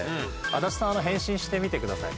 足立さん変身してみてください。